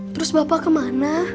terus bapak kemana